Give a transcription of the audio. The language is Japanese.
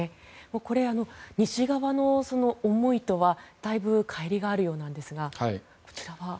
これ、西側の思いとはだいぶかい離があるようなんですがこちらは。